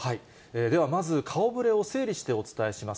では、まず顔ぶれを整理してお伝えします。